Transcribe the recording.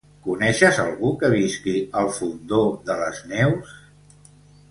Coneixes algú que visqui al Fondó de les Neus?